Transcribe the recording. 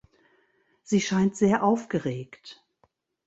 Sie scheint sehr aufgeregt.